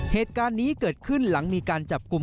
เหตุการณ์นี้เกิดขึ้นหลังมีการจับกลุ่ม